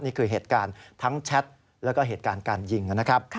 นี่คือเหตุการณ์ทั้งแชทแล้วก็เหตุการณ์การยิงนะครับ